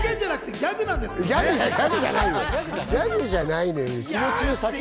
ギャグじゃないのよ。